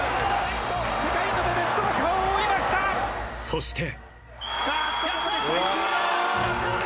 ［そして］